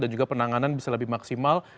dan juga penanganan bisa lebih maksimal